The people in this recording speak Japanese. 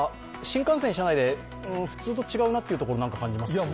新幹線の車内で普通と違うなというところ感じます？